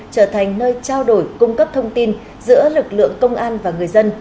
trở thành nơi trao đổi cung cấp thông tin giữa lực lượng công an và người dân